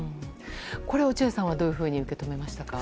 これ、落合さんはどういうふうに受け止めましたか。